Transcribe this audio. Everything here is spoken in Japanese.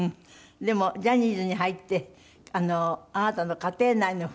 でもジャニーズに入ってあなたの家庭内の雰囲気が激変？